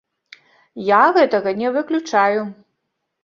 Я гэтага не выключаю.